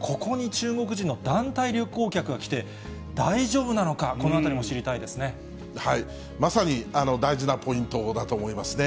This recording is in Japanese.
ここに中国人の団体旅行客が来て、大丈夫なのか、このあたりも知りまさに大事なポイントだと思いますね。